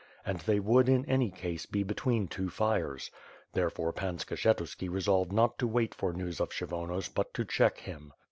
And they would, in any case, be between two fires. Therefore Pan Skshetuski resolved not to wait for news of Kshyvonos but to check him.